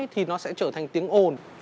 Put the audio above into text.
thì nó sẽ trở thành tiếng ồn